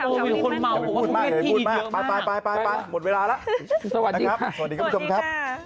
โอ้มีคนเมาผมว่าคุณแม่ที่อีกเยอะมากไปหมดเวลาแล้วสวัสดีค่ะสวัสดีค่ะสวัสดีค่ะ